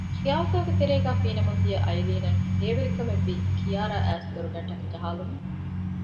ޚިޔާލުތަކުގެ ތެރޭގައި ފީނަމުންދިޔަ އައިލީނަށް ހޭވެރިކަމެއްވީ ކިޔާރާާ އައިސް ދޮރުގައި ޓަކި ޖަހާލުމުން